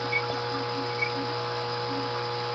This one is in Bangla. শশীকে সেদিন তিনি ফিরিতে দিলেন না।